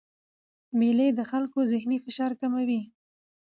مېلې د خلکو ذهني فشار کموي.